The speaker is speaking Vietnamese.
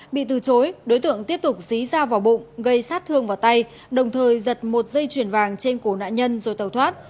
bị từ chối đối tượng tiếp tục xí ra vào bụng gây sát thương vào tay đồng thời giật một dây chuyền vàng trên cổ nạn nhân rồi tàu thoát